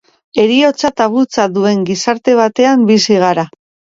Heriotza tabutzat duen gizarte batean bizi gara.